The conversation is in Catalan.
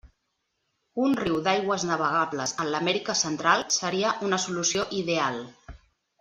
Un riu d'aigües navegables en l'Amèrica central, seria una solució ideal.